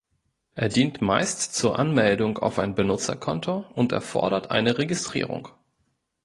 Er dient meist zur Anmeldung auf ein Benutzerkonto und erfordert eine Registrierung.